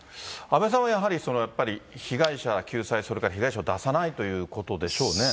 阿部さんはやっぱり、被害者救済、それから被害者を出さないということでしょうね。